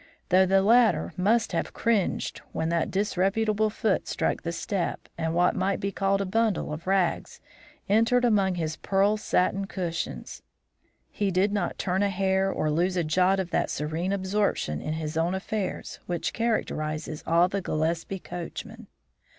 Though the latter must have cringed when that disreputable foot struck the step and what might be called a bundle of rags entered among his pearl satin cushions, he did not turn a hair or lose a jot of that serene absorption in his own affairs which characterises all the Gillespie coachmen.